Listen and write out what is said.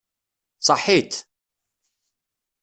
Ṣaḥit!